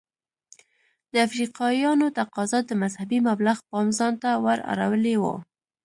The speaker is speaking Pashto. د افریقایانو تقاضا د مذهبي مبلغ پام ځانته ور اړولی و.